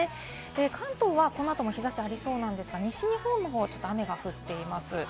関東はこのあとも日差しがありそうなんですが、西日本の方はちょっと雨が降っています。